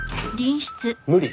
無理。